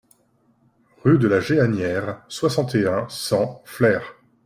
Rue de la Jéhannière, soixante et un, cent Flers